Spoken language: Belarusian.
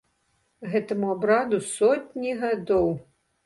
Гэтаму абраду сотні гадоў.